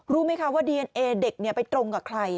รู้ไหมคะว่าดีเอนเอเด็กไปตรงกับใคร